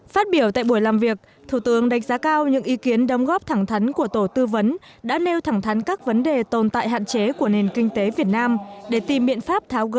phát biểu tại buổi làm việc thủ tướng đánh giá cao những ý kiến đóng góp thẳng thắn của tổ tư vấn đã nêu thẳng thắn các vấn đề tồn tại hạn chế của nền kinh tế việt nam để tìm biện pháp tháo gỡ